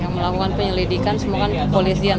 yang melakukan penyelidikan semua kan kepolisian